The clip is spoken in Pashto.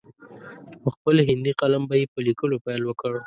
په خپل هندي قلم به یې په لیکلو پیل وکړ.